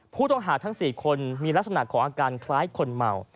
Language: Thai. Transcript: ผู้ต้องหาทั้ง๔คนมีลักษณะของอาการคล้ายคนเมา